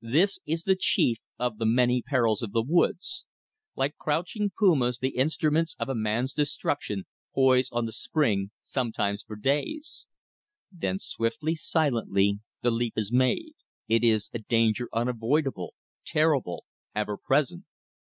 This is the chief of the many perils of the woods. Like crouching pumas the instruments of a man's destruction poise on the spring, sometimes for days. Then swiftly, silently, the leap is made. It is a danger unavoidable, terrible, ever present.